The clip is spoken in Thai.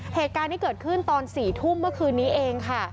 เหตุการณ์ที่เกิดขึ้นตอน๔ทุ่มเมื่อคืนนี้เองค่ะ